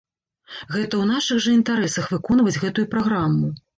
Гэта ў нашых жа інтарэсах выконваць гэтую праграму.